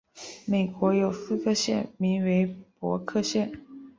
美国有四个县名为伯克县。